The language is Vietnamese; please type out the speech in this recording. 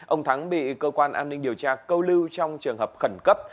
ông thắng bị cơ quan an ninh điều tra câu lưu trong trường hợp khẩn cấp